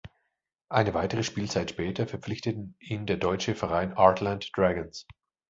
Eine weitere Spielzeit später verpflichteten ihn der deutsche Verein Artland Dragons.